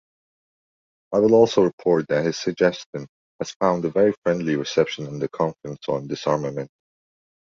I will also report that his suggestion has found a very friendly reception in the Conference on Disarmament.